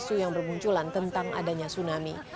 masa itu yang berbunculan tentang adanya tsunami